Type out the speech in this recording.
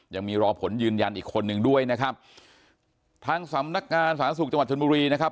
ยังมีรอผลยืนยันอีกคนนึงด้วยนะครับทางสำนักงานสาธารณสุขจังหวัดชนบุรีนะครับ